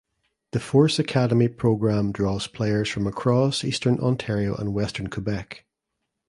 The Force Academy program draws players from across Eastern Ontario and Western Quebec.